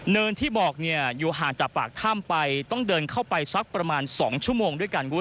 เนินที่บอกอยู่ห่างจากปากถ้ำไปต้องเดินเข้าไปสักประมาณ๒ชั่วโมงด้วยกัน